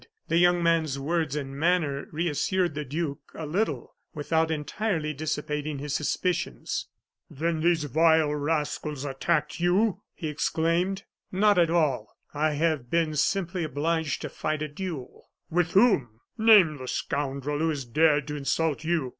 The young man's words and manner reassured the duke a little, without entirely dissipating his suspicions. "Then, these vile rascals attacked you?" he exclaimed. "Not at all. I have been simply obliged to fight a duel." "With whom? Name the scoundrel who has dared to insult you!"